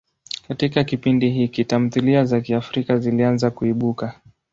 Katika kipindi hiki, tamthilia za Kiafrika zilianza kuibuka.